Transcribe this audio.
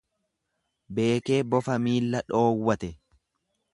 Beekee bofa milla dhoowwate.